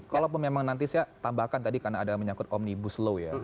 kalau memang nanti saya tambahkan tadi karena ada menyangkut omnibus law ya